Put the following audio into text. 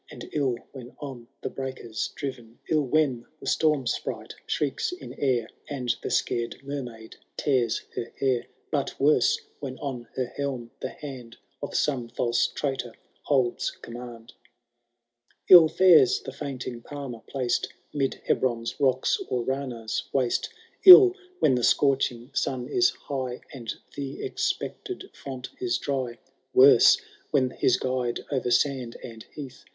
And ill when on the breakers driven,^— 111 when t^e storm sprite shrieks in air. And the scared mermaid tears her hair ; Canto III. HAROLD TBI DAUNTLB88. 158 But worse when on her helm the liand Of some false tmitor holds command* 2. 111 fares the fkinting Palmer, placed 'Mid Hebron^s rocks or Rana*s wastes— 111 when the scorching sun is high, And the expected font is drj,— Worse when his guide o'er sand and heath.